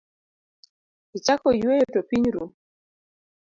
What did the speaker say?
Ichako yueyo to piny ru.